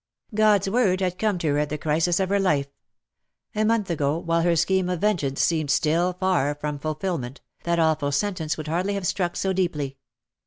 God's word had come to her at the crisis of her life. A month ago, while her scheme of vengeance seemed still far from fulfilment, that awful sentence would hardly have struck so deeply.